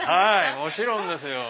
もちろんですよ。